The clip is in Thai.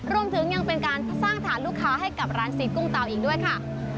รวมถึงยังเป็นการสร้างฐานลูกค้าให้กับร้านซีกุ้งเตาอีกด้วยค่ะ